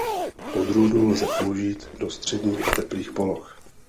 Odrůdu lze použít do středních a teplých poloh.